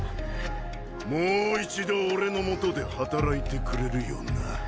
もう一度俺の下で働いてくれるよな？